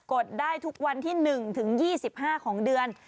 ดได้ทุกวันที่๑ถึง๒๕ของเดือน